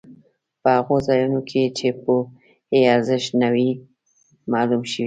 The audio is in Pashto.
په هغو ځایونو کې چې پوهې ارزښت نه وي معلوم شوی.